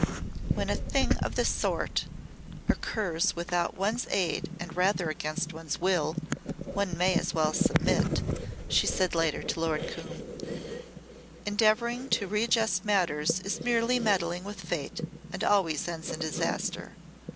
"When a thing of the sort occurs entirely without one's aid and rather against one's will one may as well submit," she said later to Lord Coombe. "Endeavouring to readjust matters is merely meddling with Fate and always ends in disaster.